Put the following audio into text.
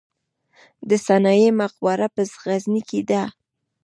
د سنايي مقبره په غزني کې ده